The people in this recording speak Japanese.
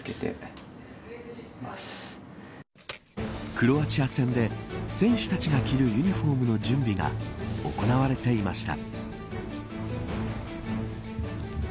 クロアチア戦で選手たちが着るユニホームの準備が行われていました。